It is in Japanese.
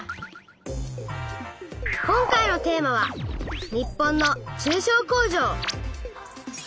今回のテーマは「日本の中小工場」。